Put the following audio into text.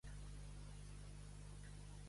Arribar a l'estamenya.